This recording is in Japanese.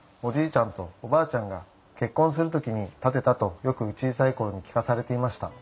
ちゃんとおばあちゃんが結婚する時に建てたとよく小さい頃に聞かされていました。